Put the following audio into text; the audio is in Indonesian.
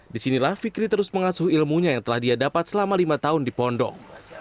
disinilah fikri terus mengasuh ilmunya yang telah dia dapat selama lima tahun di pondok